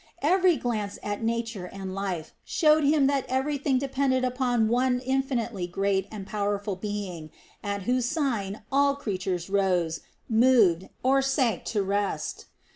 Every glance at nature and life showed him that everything depended upon One infinitely great and powerful Being, at whose sign all creatures rose, moved, or sank to rest.